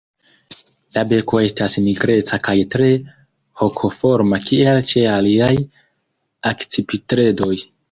La beko estas nigreca kaj tre hokoforma kiel ĉe aliaj akcipitredoj.